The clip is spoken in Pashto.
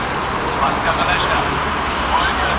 ذهني سکون د خوشحالۍ اساس دی.